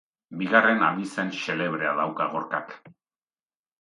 Bigarren abizen xelebrea dauka Gorkak.